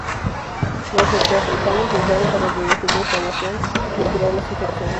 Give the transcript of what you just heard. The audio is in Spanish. Los norteafricanos lo usaron para reducir la inflamación y curar las infecciones.